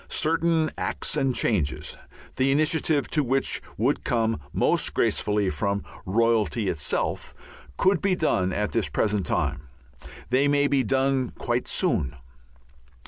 Certain acts and changes, the initiative to which would come most gracefully from royalty itself, could be done at this present time. They may be done quite soon.